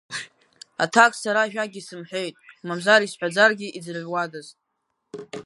Аҭакс сара ажәакгьы сымҳәеит, мамзар, исҳәаӡаргьы иӡырҩуадаз?!